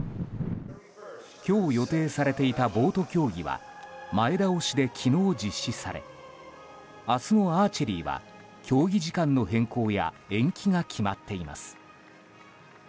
今日、予定されていたボート競技は前倒しで昨日実施され明日のアーチェリーは競技時間の変更や延期が決まっています。